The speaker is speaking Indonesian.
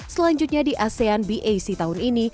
selanjutnya di asean bac tahun ini